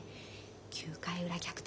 ９回裏逆転